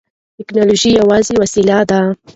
ټیکنالوژي یوازې وسیله ده.